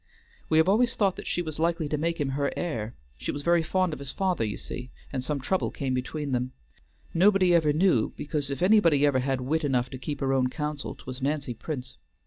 "We have always thought that she was likely to make him her heir. She was very fond of his father, you see, and some trouble came between them. Nobody ever knew, because if anybody ever had wit enough to keep her own counsel 'twas Nancy Prince.